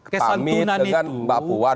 pamit dengan mbak puwan